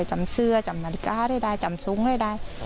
จำเสื้อจำนาฬิกาได้ได้จำทรงได้ได้